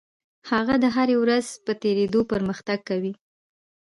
هغه د هرې ورځې په تېرېدو پرمختګ کوي.